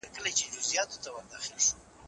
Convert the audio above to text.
د ژوند حق یو سپېڅلی حق دی.